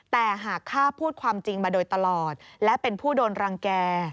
แต่หากข้าพูดความจริงมาโดยตลอดและเป็นผู้โดนรังแก่